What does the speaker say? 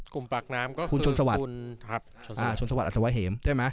กลุ่มปากน้ำก็คือคุณชนสวัสดิ์อัศวะเหม